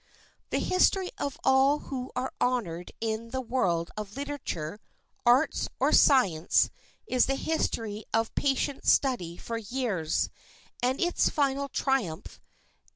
The history of all who are honored in the world of literature, arts, or science is the history of patient study for years, and its final triumph.